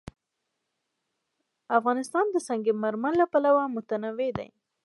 افغانستان د سنگ مرمر له پلوه متنوع دی.